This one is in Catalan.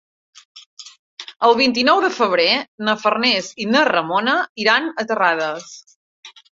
El vint-i-nou de febrer na Farners i na Ramona iran a Terrades.